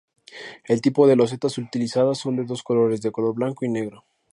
El tipo de losetas utilizadas son de dos colores: de color blanco y negro.